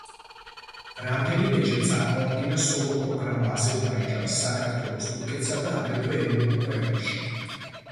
რამდენიმეჯერ წარმოადგინა სოლო პროგრამა აზერბაიჯანს, საქართველოს, თურქეთსა და აგრეთვე ევროპულ ქვეყნებში.